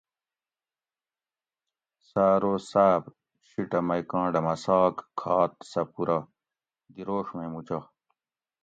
سہ ۤاروصاۤب شیٹہ مئ کاں ڈمساگ کھات سہۤ پورہ دی روڛ مئ مو چو